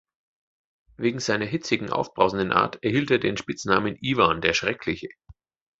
Wegen seiner hitzigen, aufbrausenden Art erhielt er den Spitznamen „Ivan, der Schreckliche“.